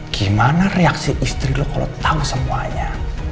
gimana reaksi istri lu kalo tau semuanya